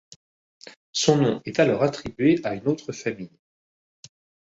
Son nom est alors attribué à une autre famille.